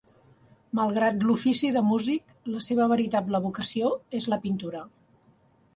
Malgrat l'ofici de músic, la seva veritable vocació és la pintura.